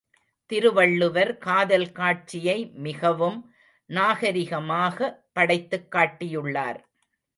திருவள்ளுவர் காதல் காட்சியை மிகவும் நாகரிகமாகப் படைத்துக் காட்டியுள்ளார்.